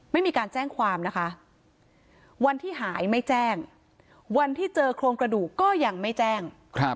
ไม่มีการแจ้งความนะคะวันที่หายไม่แจ้งวันที่เจอโครงกระดูกก็ยังไม่แจ้ง